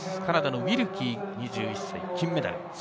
カナダのウィルキー、２１歳が金メダル。